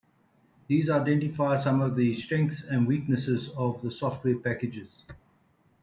These identify some of the strengths and weaknesses of the software packages.